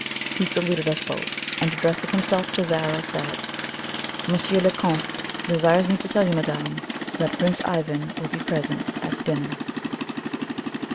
He saluted us both, and addressing himself to Zara, said: "Monsieur le Comte desires me to tell you, madame, that Prince Ivan will be present at dinner."